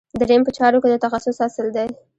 دریم په چارو کې د تخصص اصل دی.